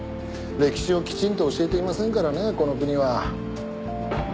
歴史をきちんと教えていませんからねこの国は。